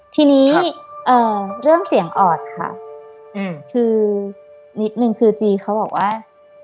ทีนี้เรื่องเสียงออดค่ะคือนิดนึงคือจีเขาบอกว่า